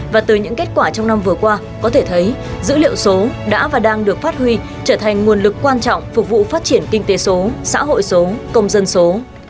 và từ những kết quả trong năm vừa qua có thể thấy dữ liệu số đã và đang được phát huy trở thành nguồn lực quan trọng phục vụ phát triển kinh tế số xã hội số công dân số